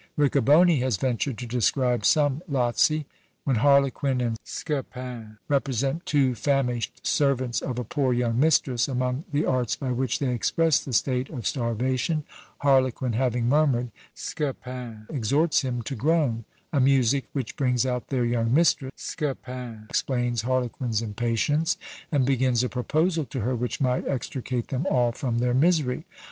Riccoboni has ventured to describe some Lazzi. When Harlequin and Scapin represent two famished servants of a poor young mistress, among the arts by which they express the state of starvation, Harlequin having murmured, Scapin exhorts him to groan, a music which brings out their young mistress, Scapin explains Harlequin's impatience, and begins a proposal to her which might extricate them all from their misery.